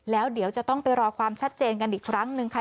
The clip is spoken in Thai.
แล้วเดี๋ยวจะต้องไปรอความชัดเจนกันอีกครั้งหนึ่งค่ะ